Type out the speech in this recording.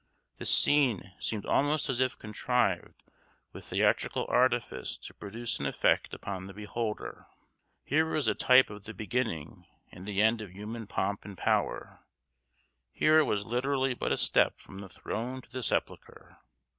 The scene seemed almost as if contrived with theatrical artifice to produce an effect upon the beholder. Here was a type of the beginning and the end of human pomp and power; here it was literally but a step from the throne to the sepulchre.